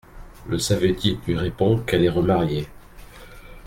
Le savetier lui répond qu'elle est remariée.